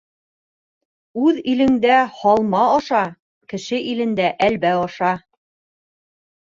Үҙ илеңдә һалма аша, кеше илендә әлбә аша.